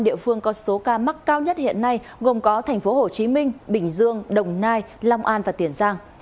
năm địa phương có số ca mắc cao nhất hiện nay gồm có tp hcm bình dương đồng nai long an và tiền giang